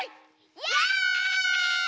イエイ！